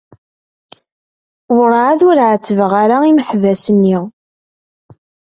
Werɛad ur ɛettbeɣ ara imeḥbas-nni.